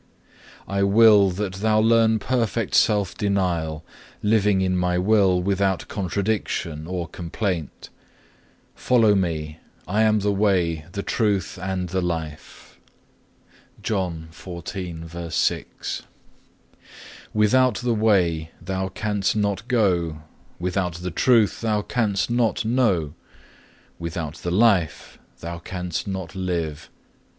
I will that thou learn perfect self denial, living in My will without contradiction or complaint. Follow Me: I am the way, the truth, and the life.(1) Without the way thou canst not go, without the truth thou canst not know, without the life thou canst not live.